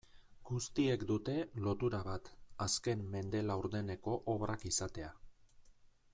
Guztiek dute lotura bat, azken mende laurdeneko obrak izatea.